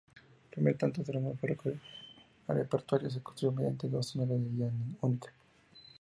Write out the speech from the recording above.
Este primer tramo del ferrocarril aeroportuario se construyó mediante dos túneles de vía única.